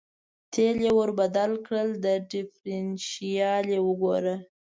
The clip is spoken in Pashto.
تېل یې ور بدل کړه، ډېفرېنشیال یې وګوره.